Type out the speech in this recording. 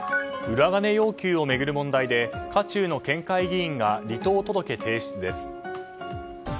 裏金要求を巡る問題で渦中の県会議員が離党届提出です。